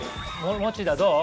モチダどう？